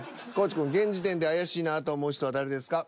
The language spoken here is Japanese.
地くん現時点で怪しいなと思う人は誰ですか？